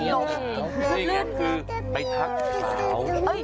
นี่อย่างนั้นคือไปทักสาว